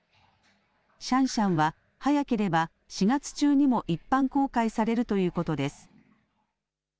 シャンシャンは早ければ４月中にも一般公開されるということです。